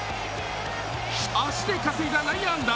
足で稼いだ内野安打。